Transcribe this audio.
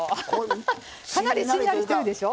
かなりしんなりしてるでしょ。